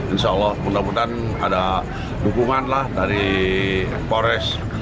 insya allah mudah mudahan ada dukungan lah dari polres